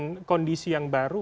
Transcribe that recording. sebuah kondisi yang baru